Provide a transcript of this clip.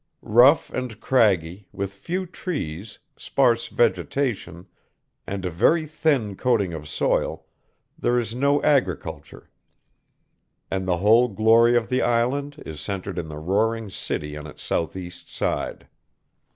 Rough and craggy, with few trees, sparse vegetation, and a very thin coating of soil, there is no agriculture, and the whole glory of the island is centered in the roaring city on its southeast side.